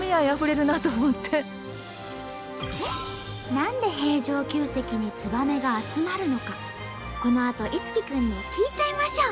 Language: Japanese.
何で平城宮跡にツバメが集まるのかこのあと樹くんに聞いちゃいましょう！